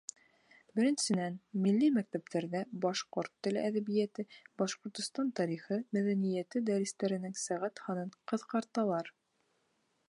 Беренсенән, милли мәктәптәрҙә башҡорт теле, әҙәбиәте, Башҡортостан тарихы, мәҙәниәте дәрестәренең сәғәт һанын ҡыҫҡарталар.